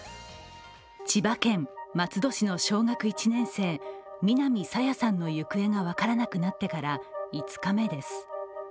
千葉県松戸市の小学１年生南朝芽さんの行方が分からなくなってから５日目です。